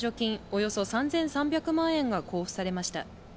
およそ３３００万円が交付されました。